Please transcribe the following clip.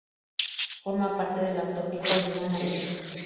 Forma parte de la autopista Línea Amarilla.